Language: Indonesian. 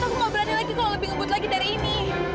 aku gak berani lagi kalau lebih ngebut lagi dari ini